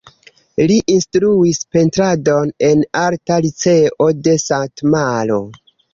Li instruis pentradon en Arta liceo de Satmaro.